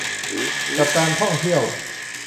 กับการท่องเที่ยว